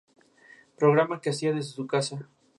Programa que hacía desde su casa.